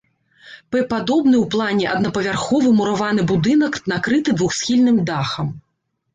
П-падобны ў плане аднапавярховы мураваны будынак накрыты двухсхільным дахам.